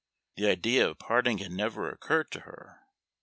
The idea of parting had never before occurred to her.